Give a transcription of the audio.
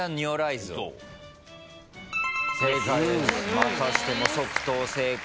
またしても即答正解。